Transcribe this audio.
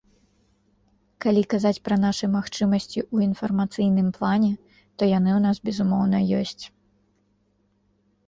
Калі казаць пра нашы магчымасці ў інфармацыйным плане, то яны ў нас, безумоўна, ёсць.